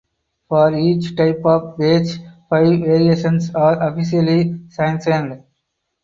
For each type of patch five variations are officially sanctioned.